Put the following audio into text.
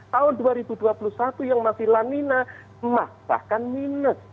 tahun dua ribu dua puluh satu yang masih lamina bahkan minus